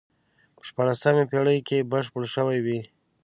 په شپاړسمې پېړۍ کې بشپړ شوی وي.